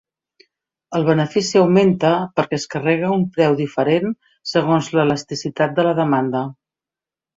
El benefici augmenta perquè es carrega un preu diferent segons l'elasticitat de la demanda.